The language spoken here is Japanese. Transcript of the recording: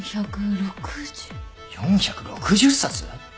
４６０冊？